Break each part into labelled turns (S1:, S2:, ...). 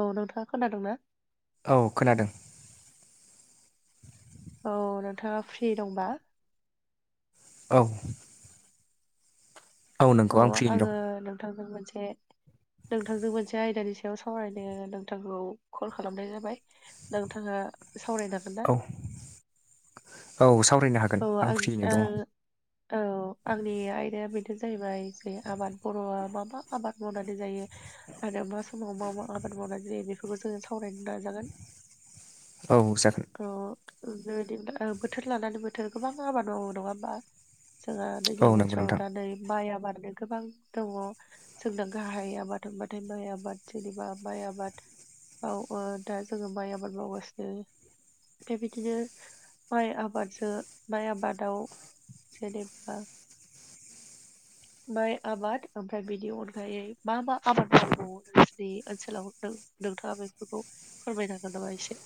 S1: औ नोंथाङा खोनादोंना?
S2: औ खोनादों।
S1: औ नोंथाङा फ्रि दंबा।
S2: औ औ
S1: अ
S2: नोंगौ आं फ्रियैनो दं
S1: आङो नोंथांजों मोनसे नोंथांजों मोनसे आयदानि सायाव सावरायनो नोंथांखौ कल खालामनाय जाबाय। नोंथाङा सावरायनांगोन ना।
S2: औ औ सावरायनो हागोन।
S1: औ आं
S2: फ्रियैनो दङ
S1: ओ औ आंनि आयदाया बेनो जाहैबाय जे आबाद बर'आ मा मा आबाद मावनानै जायो। आरो मा समाव मा मा आबाद मावनाय जायो बेफोरखौ जोङो सावरायनो नाजागोन।
S2: औ जागोन।
S1: औ बेबायदिनो बोथोर लानानै बोथोर गोबां आबाद मावो नङा होमबा जोंहा
S2: औ
S1: दैज्लां
S2: नंगौ नोंथां
S1: बोथोरावनानै माइ मानो गोबां दङ जोंना गाहाय आबाद होनबाथाय माइ आबाद जेनिबा माइ आबाद औ दा जोङो माइ आबाद मावगासिनो। ओमफ्राय बिदिनो माइ आबादजों माइ आबादाव जेनेबा माइ आबाद ओमफ्राय बेनि अनगायै मा मा आबाद मावबावो नोंसोरनि ओनसोलाव दों नोंथाङा बेफोरखौ फोरमायनो हागोन नामा एसे?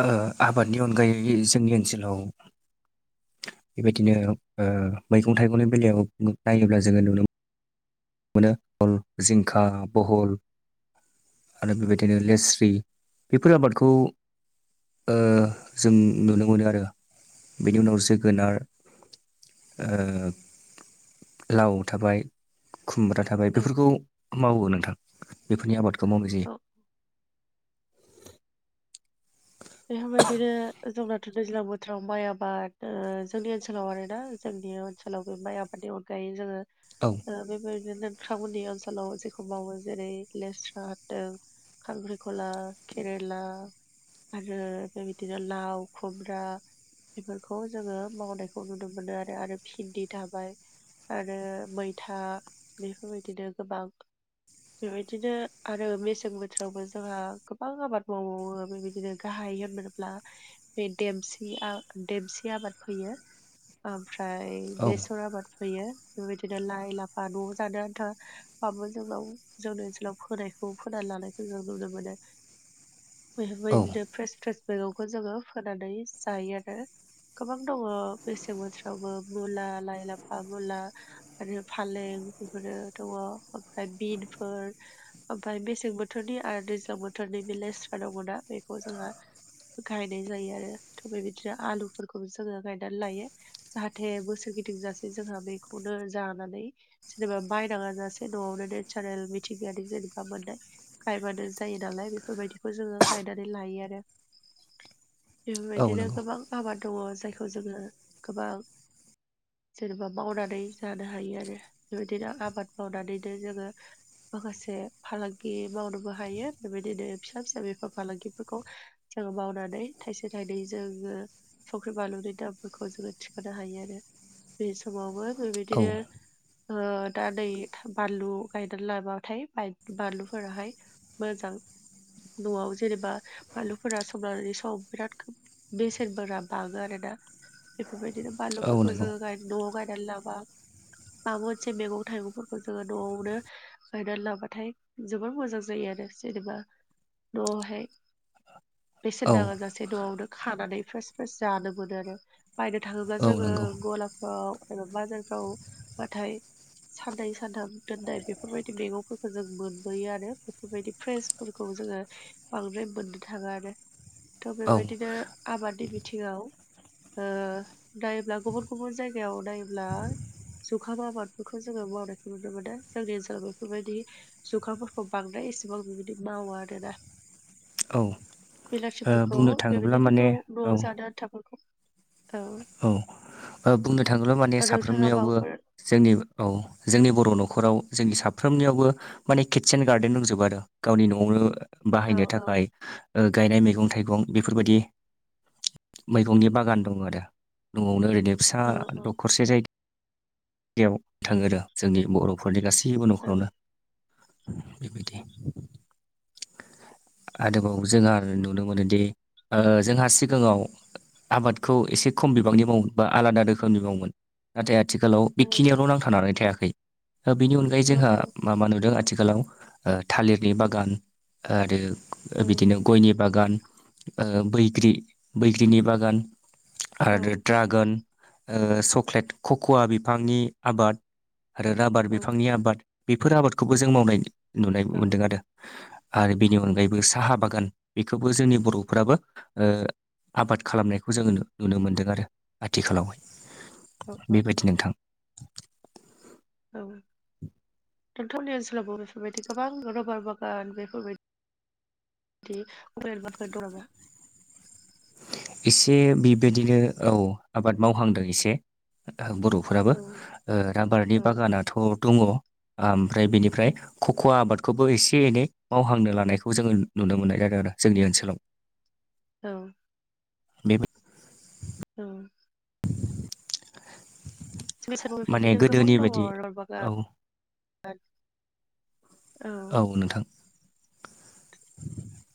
S2: ओ आबादनि अनगायै जोंनि ओनसोलाव बेबायदिनो ओ मैगं थाइगंनि बेलायाव नायोब्ला जोङो नुनो मोनो। मोनो अल जिंखा बहल आरो बेबायदिनो लेस्रि बेफोर आबादखौ ओ जों नुनो मोनो आरो बेनि उनाव जोगोनार ओ लाव थाबाय। खुमब्रा थाबाय
S1: औ
S2: बेफोरखौ मावो नोंथां बेफोरनि आबादखौ मावनाय
S1: औ
S2: जायो
S1: बेफोरबायदिनो जोंनाथ' दैज्लां बोथोराव माइ आबाद जोंनि ओनसोलाव आरोना जोंनि ओनसोलाव बे माइ आबादनि अनगायै जोङो
S2: औ
S1: बेबायदिनो नोंथांमोननि ओनसोलाव जेखौ मावो जेरै लेस्रा होनदों। खख्रिखला केरेला आरो बे बिदिनो लाव खुमब्रा बेफोरखौ जोङो मावनायखौ नुनो मोनो आरो आरो भिन्दि थाबाय। आरो मैथा बेफोरबायदिनो गोबां बेबायदिनो आरो मेसें बोथोरावबो जोंहा गोबां आबाद मावबावो बेबायदि बिदिनो गाहाय होन्ला बे देमसि देमसि आबाद फैयो ओमफ्राय
S2: औ
S1: बेसर आबाद फैयो बेबायदिनो लाइ लाफा न'आव जानो आन्थ'ा बो जोंनाव जोंनि ओनसोलाव फोनाय फोनानै लानायखौ जों नुनो मोनो
S2: औ
S1: बेफोरबायदि फ्रेस फ्रेस मेगंखौ जोङो फोनानै जायो आरो गोबां दङ मेसें बोथावबो मुला लाइ लाफा मुला आरो फालें बेफोरो दङ ओमफ्राय बिनफोर ओमफ्राय मेसें बोथोरनि आरो दैज्लां बोथोरनि भिलेजफ्रा दंङना बेखौ जोंहा गायनाय जायो आरो थ बेबायदिनो आलुफोरखौबो जोङो गायनानै लायो जाहाथे बोसोर गिदिं जासे जोंहा बेखौनो जानानै जेनेबा बायनाङा जाासे न'आवनो नेचारेल मिथिंगायारि जेनेबा मोननाय गायबानो जायो नालाय बेफोरबायदिखौ जोङो गाय नानै लायो आरो
S2: औ
S1: बेफोरबायदिनो
S2: नंगौ
S1: गोबां माबादा दङ जायखौ जोङो गोबां जेनेबा मावनानै जानो हायो आरो बेबायदिनो आबाद मावनानैनो जोङो माखासे फालांगि मावनोबो हायो बेबायदिनो फिसा फिसा बेफार फालांगिफोरखौ जोङो मावनानै थाइसे थाइनै जोङो संख्रि बानलुनि दामफोरखौ जोङो थिखोनो हायो आरो बे समावबो
S2: औ
S1: बेबायदिनो ओ दा नै बानलु गायनानै लाबाथाय बाय बानलुफोराहाय मोजां न'आव जेनेबा बानलुफोरा सम लानानै सम बिराद बेसेनफोरा बाङो आरो ना बेफोरबायदिनो
S2: औ
S1: बानलुफोरखौ
S2: नंगौ
S1: जोङो गाय नआव गायनानै लाबा माबा मोनसे मैगं थाइगंफोरखौ जोङो नआवनो गायनानै लाबाथाय जबोर मोजां जायो आरो जेनेबा न' मफ्राय बेसेन
S2: औ
S1: नाङा जाासे न'आवनो खानानै फार्स्ट फार्स्ट जानो मोनो आरो बायनो थाङोब्ला
S2: औ
S1: जोङो
S2: नंगौ
S1: गलाफ्राव एबा बाजारफ्रावबाथाय सान्दै सान्थाम दोननाय बेफोरबायदि मैगंफोरखौ जों मोनबोयो आरो बेफोरबायदि फ्रेस फोरखौ जोङो बांद्राय मोननो थाङो आरो थ'
S2: औ
S1: बेबायदिनो आबादनि बिथिङाव नाय्ला गुबुन गुबुन जायगायाव नाय्ला जुखाम आबादफोरखौ जोङो मावनायखौ नुनो मोनो जोंनि ओनसोलाव बेफोरबायदि जुखामफोरखौ बांद्राय एसेबां बेबादि मावा आरो ना
S2: औ ओ
S1: बेलासिफोरखौ
S2: बुंनो थाङोब्ला माने
S1: बेबायदिनो न'
S2: औ
S1: न'आव जानो आन्थाफोरखौ
S2: औ ओ बुंनो थाङोब्ला माने
S1: ओ नोंथाङा
S2: साफ्रोमनियावबो
S1: माबाफोर
S2: जोंनि औ जोंनि बर' न'खराव जोंनि साफ्रोमनियावबो माने किटसेेन गार्देन दंजोबोा आरो गावनि न'आवनो
S1: औ
S2: बाहायनो
S1: औ
S2: थाखाय गायनाय मैगं थाइगं बेफोरबायदि मैगंनि बागान दं आरो न'आवनो ओरैनो फिसा
S1: औ
S2: दखरसे जायग जायगायाव थाङो आरो जोंनि बर' नखरनि गासैबो न'खरावनो बेबायदि आरोबाव जोंहा नुनो मोनोदि जोंहा सिगाङाव आबादखौ एसे खम बिबांनि मावोम बा आलादा रोखोमनि मावोमोन नाथाय आथिखालाव
S1: औ
S2: बेखिनियावल' नांथानानै थायाखै बेनि अनगायै
S1: औ
S2: जोंहा म मा नुदों आथिखालाव ओ थालिरनि बागान आरो ओ बिदिनो गयनि बागान बैग्रि बैग्रिनि बागान
S1: औ
S2: आरो ड्रागन चक्लेट कक'वा बिफांनि आबाद आरो राबार बिफांनि आबाद बेफोर आबादखौबो जों मावनाय नुनाय
S1: औ
S2: मोनदों आरो आरो बेनि अनगायैबो साहा बागान बेखौबो जोंनि बर'फ्राबो आबाद खालामनायखौ जोङो नुनो मोन्दों आरो
S1: औ
S2: आथिखालावहाय
S1: औ
S2: बेबायदि नोंथां
S1: औ नोंथांमोननि ओनसोलावबो बेफोरबायदि गोबां रबार बागान बेफोरबायदि बिदि [unintelligible] फोर दङबा
S2: एसे बेबायदिनो औ आबाद मावहांदों एसे बर' फोराबो
S1: औ
S2: राबारनि
S1: औ
S2: बागानाथ' दङ ओमफ्राय बेनिफ्राय खखवा आबादखौबो एसे एनै मावहांनो लानायखौ जोङो नुनो मोननाय जादों आरो जोंनि ओनसोलाव
S1: औ
S2: बेबो
S1: औ [unintelligible] बेफोर
S2: माने
S1: बिदिनो गोबां
S2: गोदोनि
S1: दङ
S2: बायदि
S1: रबागा
S2: औ
S1: औ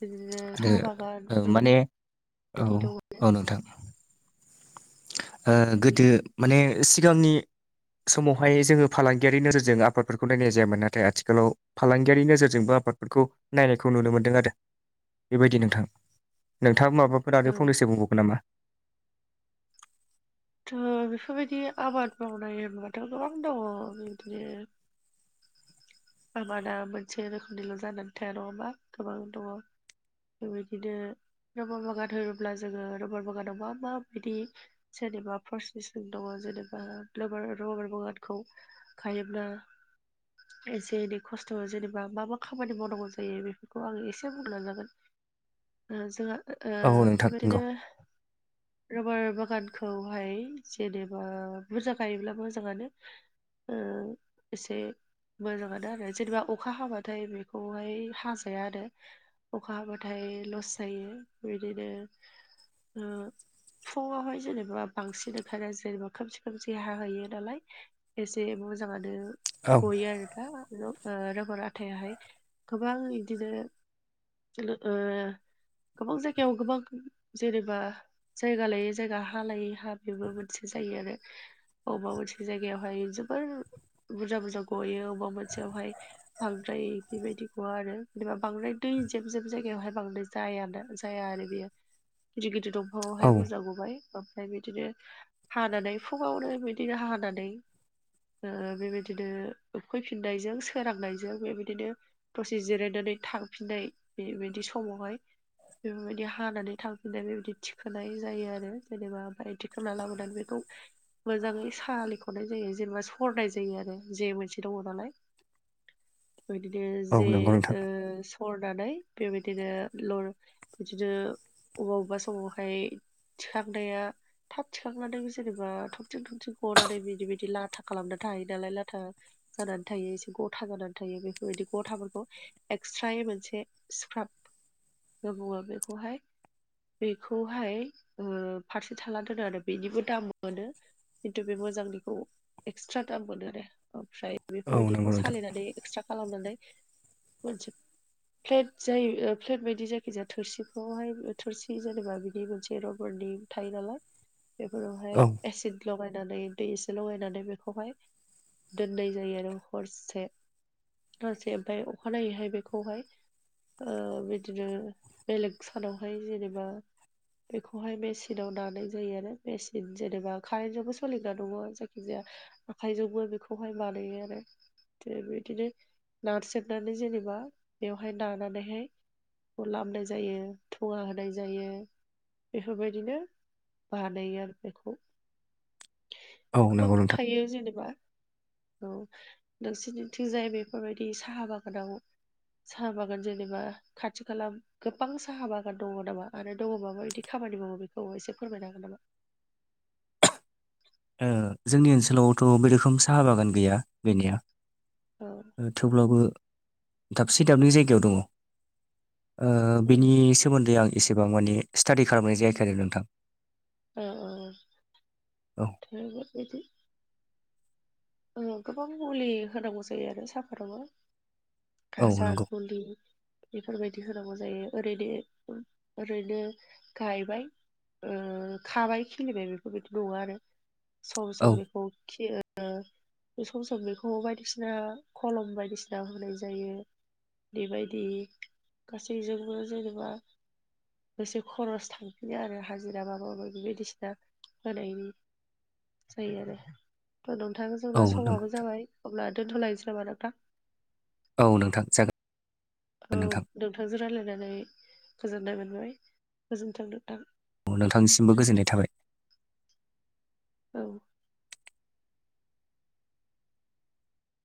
S1: बिदिनो साहा बागान
S2: आरो
S1: बेफोरबायदि
S2: माने औ
S1: दङ
S2: औ नोंथां ओ गोदो माने सिगांनि समावहाय जोङो फालांगियारि नोजोरजों आफादफोरखौ नायनाय जायामोन नाथाय आथिखालाव फालांगियारि नोजोरजोंबो आफादफोरखौ नायनायखौ नुनो मोन्दों आरो बेबायदि नोंथां नोंथाङा माबाफोर
S1: औ
S2: आरो फंनैसो बुंबावगोन नामा
S1: बेफोरबायदि आबाद मावनाय माबाथ' गोबां दङ बिदिनो आमादा मोनसे रोखोमनिल' जानानै थाया नङा होमा गोबां दङ बेबायदिनो रबार बागान होनोब्ला जोङो रबार बागानाव मा मा बिदि जेनेबा पारस्निसिं दङ जेनेबा रबार रबार बागानखौ खायोब्ला एसे एनै खस्थ' जेनेबा मा मा खामानि मावनांगौ जायो बेफोरखौ आङो एसे बुंलांजागोन जोंहा
S2: औ नोंथां नंगौ
S1: बेबायदिनो रबार बागानखौहाय जेनेबा बुरजा गायोब्ला मोजाङानो ओ एसे मोजाङानो आरो जेनेबा अखा हाबाथाय बेखौहाय हाजाया आरो अखा हाबाथाय लस जायो बिदिनो फुङावहाय जेनेबा बांसिन ओंखायनो जेनेबा खोमसि खोमसि हाहोयो नालाय एसे मोजाङानो
S2: औ
S1: गयो आरो दा रबर आथायाहाय गोबां बिदिनो ओ गोबां जायगायाव गोबां जेनेबा जायगा लायै जायगा हा लायै हा बेबो मोनसे जायो आरो अबेबा मोनसे जायगायावहाय जोबोर बुरजा बुरजा गयो अबेबा मोनसेयावहाय बांद्राय बेबायदि गवा आरो जेनेबा बांद्राय दै जेब जेब जायगायावहाय बांद्राय जाया ना जाया आरो बेयो गिदिर गिदिर
S2: औ
S1: दंफाङावहाय बुरजा गबाय बिदिनो हानानै फुङावनो बिदिनो हानानै ओ बेबायदिनो फैफिननायजों सोरांनायजों बेबायदिनो दसे जिरायनानै थांफिननाय बिदि समावहाय बेफोरबायदि हानानै थांफिननाय बेबायदि थिखोनाय जायो आरो जेनेबा ओमफ्राय बिदि सोमना लाबोनानै बेखौ मोजाङै सालिख'नाय जायो जेनेबा सरनाय जायो आरो जे मोनसे द नालाय बिनो
S2: औ
S1: जे
S2: नंगौ नोंथां
S1: ओ हरनानै बेबायदिनो ल बिदिनो अबेबा अबेबा समावहाय थिखांनाया थाब थिखांनानै जेनेबा थंथिं थंथिं गनानै बिदि बिदि लाथा खालामना थायो नालाय लाथा जानानै थायो एसे गथा गानानै थायो बेफोरबायदि गथाफोरखौ एक्सट्राय मोनसे सिक्राब बेखौहाय बेखौहाय फारसे थाला दोनो आरो बेनिबो दाम मोनो खिन्थु बे मोजांनिखौ एक्सट्रा दाम मोनो आरो ओमफ्राय
S2: औ नंगौ
S1: बेफोरबायदिखौ
S2: नोंथां
S1: सालायनानै एक्सट्रा खालामनानै मोनसे प्लेट जायो प्लेट बायदि जायखिजाया थोरसिफ्रावहाय थोरसि जेनेबा बिनि मोनसे रबारनि थायो नालाय बेफोरावहाय
S2: औ
S1: एसिड लगायनानै दै एसे लगायनानै बेखौहाय दोननाय जायो आरो हरसे हरसे ओमफ्राय अखानायैहाय बेखौहाय बिदिनो बेलेग सानावहाय जेनेबा बेखौहाय मेचिनाव दानाय जायो आरो मेसिन जेनेबा कारेन्ट जजोंबो सोलिग्रा दङ जायखिजाया आखाइजोंबो बेखौहाय बानायो आरो द बिदिनो नारसेरनानै जेनेबा बेवहाय नानानैहाय लाबाय जायो थुवा होनाय जायो बेफोरबायदिनो बानायो आरो बेखौ
S2: औ
S1: गोबां
S2: नंगौ नोंथां
S1: थायो जेनेबा औ नोंसोरनिथिंजाय बेफोरबायदि साहा बागानाव साहा बागान जेनेबा खाथि खा गोबां साहा बागान दङ नामा आरो दङ माबा बिदि खामानि मावो बेखौ एसे फोरमायनो हागोन नामा
S2: जोंनि ओनसोलावथ' बे रोखोम साहा बागान गैया बेनिया
S1: औ
S2: थेवब्लाबो दाबसे दाबनै जायगायाव दङ ओ
S1: औ
S2: बिनि सोमोन्दै आं एसेबां माने स्टाडि खालामनाय जायाखै आरो नोंथां
S1: औ औ
S2: औ
S1: थे बिदि गोबां मुलि होनांगौ जायो आरो साहापात आवहाय
S2: औ
S1: गासार
S2: नंगौ
S1: फुलि बेफोरबायदि होनांगौ जायो ओरैनो ओरैनो गायबाय उम- खाबाय खिलिबाय बेफोरबायदि नङा आरो सम
S2: औ
S1: सम बेखौ खियो बे सम सम बेखौ बायदिसिना खलम बायदिसिना होनाय जायो बेबायदि गासैजोंबो जेनेबा एसे खरस थांफिनो आरो हाजिरा माबा माबि बायदिसिना होनायनि जायो आरो थ' नोंथां जोंना
S2: औ नंगौ
S1: समाबो जाबाय अब्ला दोनथ'लायस्रामा नोंथां
S2: औ नोंथां जागोन
S1: औ
S2: नोंथां
S1: नोंथांजों रायज्लायनानै गोजोननाय मोनबाय गोजोनथों नोंथां
S2: नोंथांनिसिमबो गोजोननाय थाबाय
S1: औ